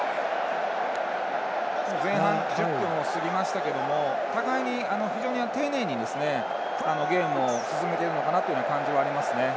前半１０分を過ぎましたが互いに非常に丁寧にゲームを進めているのかなという感じがありますね。